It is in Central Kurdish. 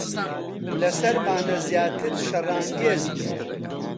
لەسەرمانە زیاتر شەڕانگێز بین.